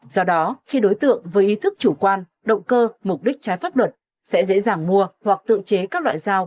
do đó khi đối tượng với ý thức chủ quan động cơ mục đích trái pháp luật sẽ dễ dàng mua hoặc tự chế các loại dao